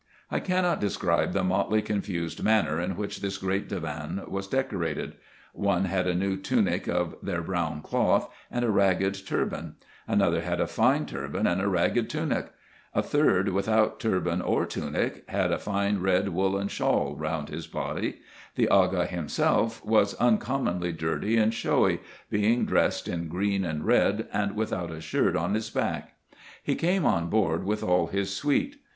I cannot describe the motley confused manner, in which this great divan was decorated : one had a new tunic of their brown cloth, and a ragged turban : another had a fine turban, and a ragged tunic : a third, without turban or tunic, had a fine red woollen shawl round his body ; the Aga himself was uncommonly dirty and showy, being dressed in green and red, and without a shirt on his back. He came on board with all his suite.